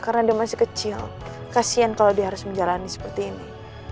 karena dia masih kecil kasihan kalau dia harus menjalani seperti ini